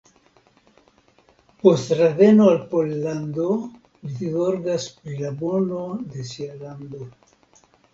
Post reveno al Pollando li zorgas pri la bono de sia lando.